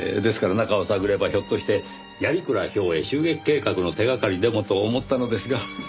ですから中を探ればひょっとして鑓鞍兵衛襲撃計画の手掛かりでもと思ったのですが。